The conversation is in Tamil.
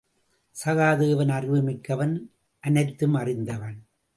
சகாதேவன் அறிவு மிக்கவன் அனைத்தும் அறிந்தவன்.